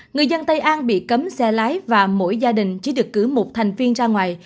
người dân tây an bị cấm xe lái và mỗi gia đình chỉ được cử một thành viên ra ngoài